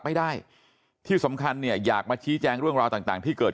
ไม่ได้ที่สำคัญเนี่ยอยากมาชี้แจงเรื่องราวต่างที่เกิด